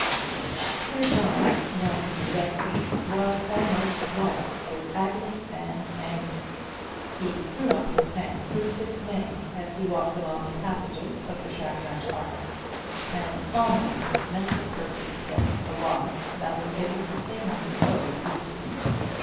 Sir John, when he had read this, was almost wild with agony and anger. He threw up his hands with dismay as he walked along the passages of the Shadrach Office, and fulminated mental curses against the wasp that was able to sting him so deeply.